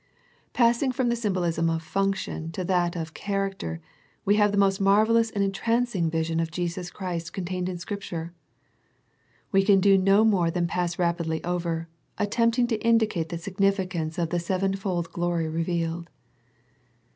Passing from the symbolism of function to that of character we have the most marvellous and entrancing vision of Jesus Christ con tained in Scripture. We can do no more than pass rapidly over, attempting to indicate the significance of the sevenfold glory revealed.